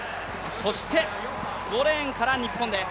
そして５レーンから日本です。